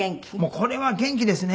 これは元気ですね。